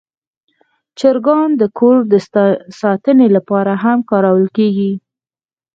چرګان د کور د ساتنې لپاره هم کارول کېږي.